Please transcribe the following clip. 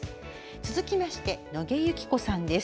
続きまして野毛由紀子さんです。